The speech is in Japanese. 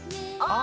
あ！